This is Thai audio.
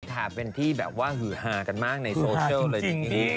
ค่ะเป็นที่แบบว่าหือหากันมากในโซเชียลเลยจริง